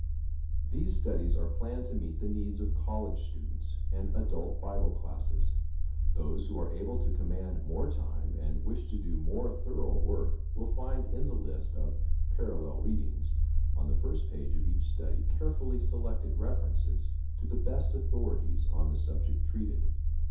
These studies are planned to meet the needs of college students and adult Bible classes. Those who are able to command more time and wish to do more thorough work will find in the list of Parallel Readings on the first page of each study carefully selected references to the best authorities on the subject treated.